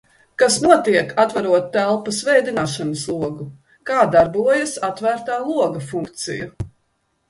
Kas notiek, atverot telpas vēdināšanas logu? Kā darbojas “atvērtā loga” funkcija?